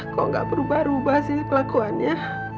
kok gak berubah ubah sih pelakuannya